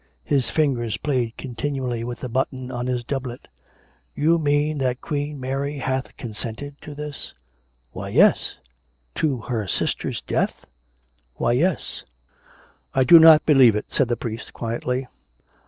His fingers played continually with a button on his doublet. " You mean that Queen Mary hath consented to this ?"" Why, yes !"" To her sister's death .''" "Why, yes!" " I do not believe it," said the priest quietly.